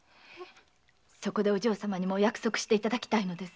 そこでお嬢様にも約束していただきたいのです。